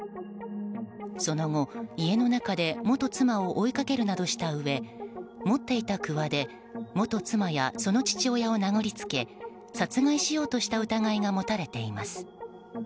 その後、家の中で元妻を追いかけるなどしたうえ持っていたくわで元妻やその父親を殴りつけ殺害しようとした疑いが持たれています。